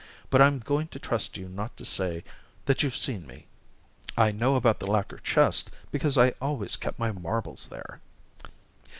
But I'm going to trust you not to say that you've seen me. I know about the lacquer chest because I always kept my marbles there."